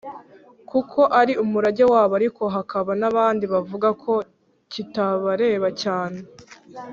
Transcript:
kuko ari umurage wabo, ariko hakaba n’abandi bavuga ko kitabareba cyane.